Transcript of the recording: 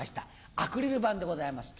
アクリル板でございます。